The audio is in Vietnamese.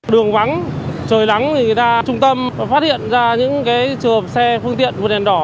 đường vắng trời nắng người ta trung tâm và phát hiện ra những trường hợp xe phương tiện vượt đèn đỏ